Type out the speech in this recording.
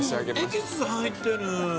エキス入ってる。